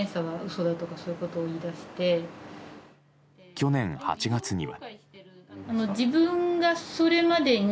去年８月には。